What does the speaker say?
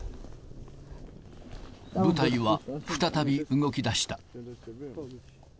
部隊は再び動きだした。